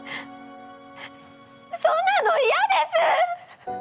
そんなのいやです！